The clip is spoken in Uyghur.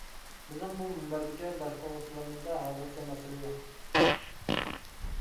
بىزنىڭ بۇ مۇنبەردىكى باشقۇرغۇچىلىرىمىزدا ھازىرچە مەسىلە يوق.